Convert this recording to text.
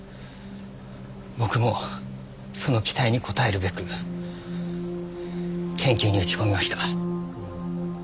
僕もその期待に応えるべく研究に打ち込みました。